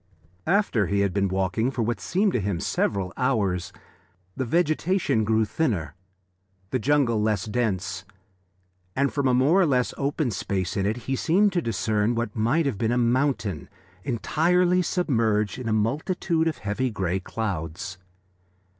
After he had been walking for what seemed to him several hours, the vegetation grew thinner, the jungle less dense, and from a more or less open space in it he seemed to discern what might have been a mountain entirely submerged in a multitude of heavy grey clouds.